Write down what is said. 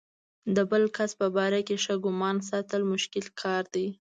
د بل کس په باره کې ښه ګمان ساتل مشکل کار دی.